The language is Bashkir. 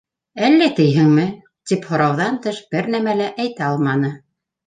— Әллә, тиһеңме? — тип һорауҙан тыш бер нәмә лә әйтә алманы.